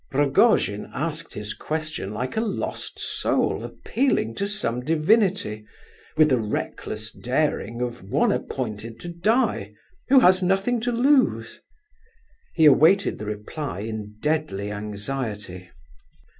Rogojin asked his question like a lost soul appealing to some divinity, with the reckless daring of one appointed to die, who has nothing to lose. He awaited the reply in deadly anxiety.